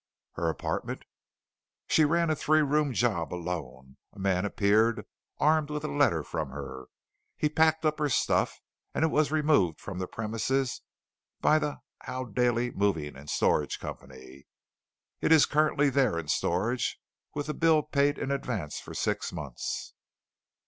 "Her apartment?" "She ran a three room job alone. A man appeared, armed with a letter from her. He packed up her stuff and it was removed from the premises by the Howdaille Moving and Storage Company. It is currently there in storage with the bill paid in advance for six months."